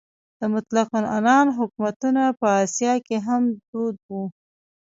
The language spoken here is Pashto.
د مطلق العنان حکومتونه په اسیا کې هم دود وو.